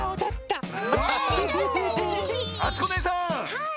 はい。